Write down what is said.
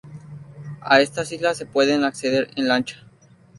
A estas islas se puede acceder en lancha.